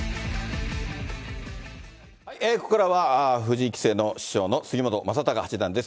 ここからは、藤井棋聖の師匠の杉本昌隆八段です。